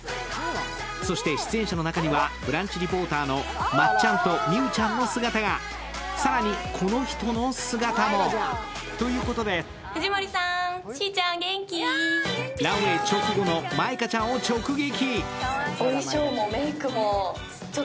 そして出演者の中にはブランチリポーターのまっちゃんと美羽ちゃんの姿が更にこの人の姿もということで、ランウェイ直後の舞香ちゃんを直撃。